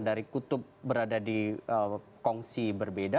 dari kutub berada di kongsi berbeda